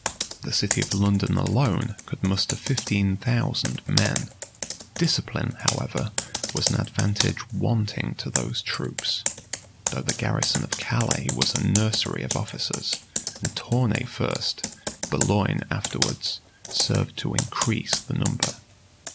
The city of London alone, could muster fifteen thousand men.[] Discipline, however, was an advantage wanting to those troops; though the garrison of Calais was a nursery of officers, and Tournay first,[] Boulogne afterwards, served to increase the number.